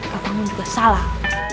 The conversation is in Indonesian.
bapakmu juga salah